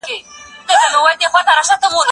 زه له سهاره انځورونه رسم کوم،